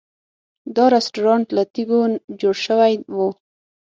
دا رسټورانټ له تیږو جوړ شوی و.